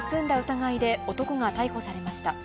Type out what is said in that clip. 疑いで男が逮捕されました。